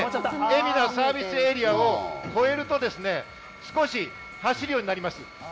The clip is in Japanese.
海老名サービスエリアを越えると少し走るようになります。